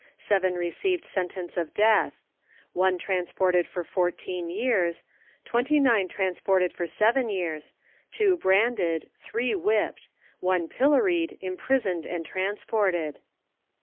Seven received sentence of death. One transported for fourteen years. Twenty nine transported for seven years. Two branded. Three whipp'd. One pillory'd, imprison'd, and transported.